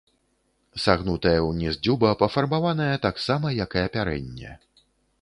Сагнутая ўніз дзюба пафарбаваная таксама, як і апярэнне.